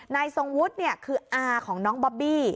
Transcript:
ทรงวุฒิคืออาของน้องบอบบี้